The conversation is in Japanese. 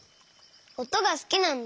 おとがすきなんだ。